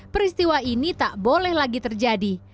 peristiwa ini tak boleh lagi terjadi